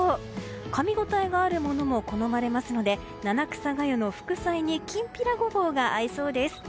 かみごたえがあるものも好まれますので七草がゆに副菜にきんぴらごぼうが合いそうです。